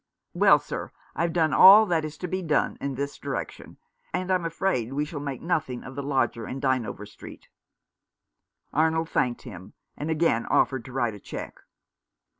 Well, sir, I've done all that is to be done in this direc tion, and I'm afraid we shall make nothing of the lodger in Dynevor Street." Arnold thanked him, and again offered to write a cheque.